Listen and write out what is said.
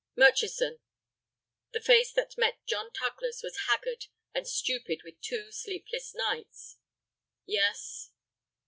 "Murchison." The face that met John Tugler's was haggard and stupid with two sleepless nights. "Yes."